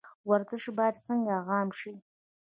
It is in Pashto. ورزش باید څنګه عام شي؟